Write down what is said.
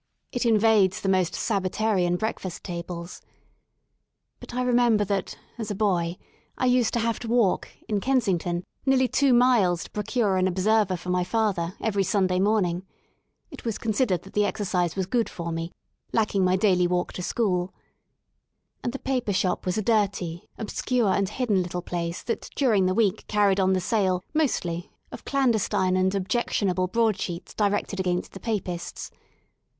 It invades the 136 LONDON AT LEISURE most Sabbatarian breakfast tables. But I remember that, as a boy, I used to have to walk — in Kensington — nearly two miles to procure an '* Observer" for my father, every Sunday morning* (It was considered that the exercise was good for me, lacking my daily walk to schooL) And the paper shop was a dirty, obscure and hidden little place that during the week carried on the sale, mostly, of clandestine and objectionable broad sheets d i reeted agai n s t th e Pa pi sts